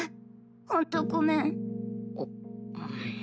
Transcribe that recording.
ホントごめん。